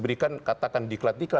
terima kasih pak jamal